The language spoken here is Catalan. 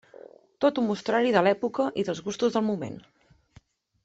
Tot un mostrari de l'època i dels gustos del moment.